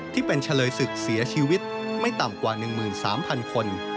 ที่เป็นเฉลยศึกเสียชีวิตไม่ต่ำกว่า๑๓๐๐คน